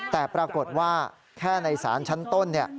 แต่ปรากฏว่าแค่ในศาลชั้นต้น